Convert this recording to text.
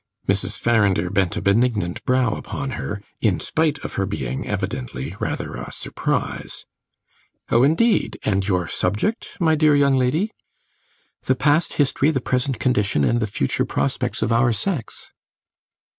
Mrs. Farrinder bent a benignant brow upon her, in spite of her being, evidently, rather a surprise. "Oh, indeed; and your subject, my dear young lady?" "The past history, the present condition, and the future prospects of our sex."